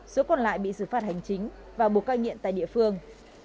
số còn lại bị xử phạt hành chính và buộc cai nghiện tại địa phương